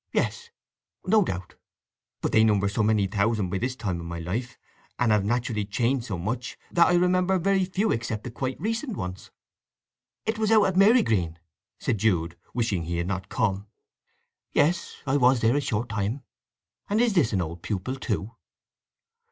Yes, no doubt; but they number so many thousands by this time of my life, and have naturally changed so much, that I remember very few except the quite recent ones." "It was out at Marygreen," said Jude, wishing he had not come. "Yes. I was there a short time. And is this an old pupil, too?"